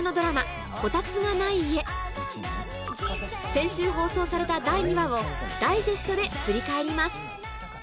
先週放送された第２話をダイジェストで振り返ります